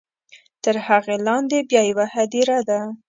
تر هغې لاندې بیا یوه هدیره ده.